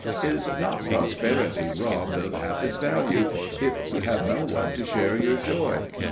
Is not prosperity robbed of half its value if you have no one to share your joy?